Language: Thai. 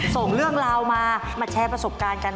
ส่งเรื่องราวมามาแชร์ประสบการณ์กัน